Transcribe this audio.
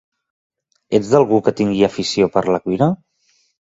Ets d'algú que tingui afició per la cuina?